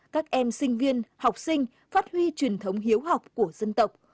các em sinh viên học sinh phát huy truyền thống hiếu học của dân tộc